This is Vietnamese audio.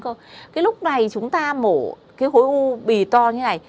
cái lúc này chúng ta mổ cái khối u bì to như này